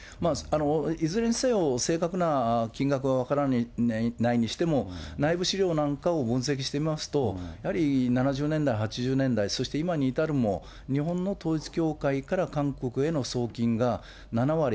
いずれにせよ正確な金額は分からないにしても、内部資料なんかを分析してみますと、やはり７０年代、８０年代、そして今に至るも、日本の統一教会から韓国への送金が７割、